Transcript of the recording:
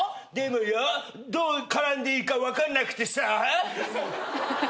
でもよどう絡んでいいか分かんなくてさぁ。